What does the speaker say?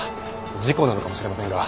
事故なのかもしれませんが。